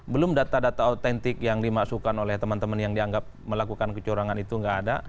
belum data data autentik yang dimasukkan oleh teman teman yang dianggap melakukan kecurangan itu nggak ada